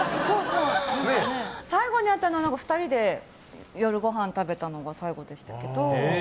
最後に会ったのは２人で夜ごはん食べたのが最後でしたけど。